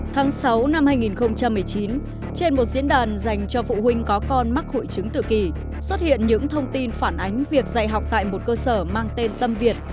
tháng sáu năm hai nghìn một mươi chín trên một diễn đàn dành cho phụ huynh có con mắc hội chứng tự kỷ xuất hiện những thông tin phản ánh việc dạy học tại một cơ sở mang tên tâm việt